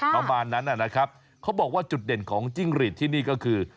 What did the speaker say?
ประมาณนั้นนะครับเขาบอกว่าจุดเด่นของจิ้งหรีดที่นี่ก็คือ